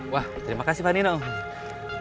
wah terima kasih pani naum